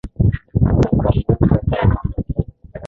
Nakuamuru sasa uhame Kenya.